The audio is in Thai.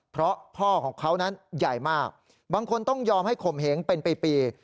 เพราะพ่อของเขานั้นใหญ่มากบางคนต้องยอมให้ข่มเหงเป็นปี